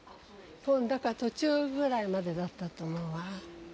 だから途中ぐらいまでだったと思うわ。